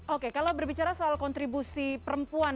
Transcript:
oke kalau berbicara soal kontribusi perempuan